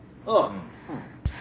うん。